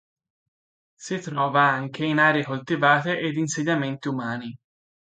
Si trova anche in aree coltivate ed insediamenti umani.